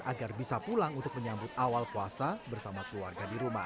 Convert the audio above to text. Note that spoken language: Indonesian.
agar bisa pulang untuk menyambut awal puasa bersama keluarga di rumah